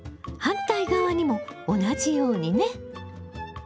反対側にも同じようにね。